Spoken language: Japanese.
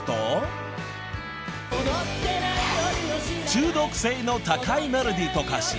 ［中毒性の高いメロディーと歌詞。